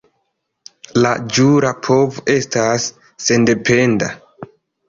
La jura povo estas sendependa.